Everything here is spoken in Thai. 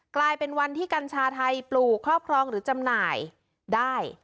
กลายเป็นวันที่กัญชาไทยปลูกครอบครองหรือจำหน่ายได้